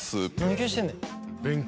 何消してんねん。